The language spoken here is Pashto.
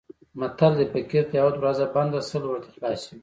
متل دی: فقیر ته یوه دروازه بنده سل ورته خلاصې وي.